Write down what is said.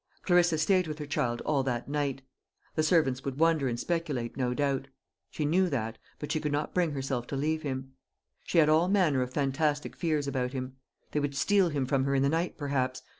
Clarissa stayed with her child all that night. The servants would wonder and speculate, no doubt. She knew that; but she could not bring herself to leave him. She had all manner of fantastic fears about him. They would steal him from her in the night, perhaps.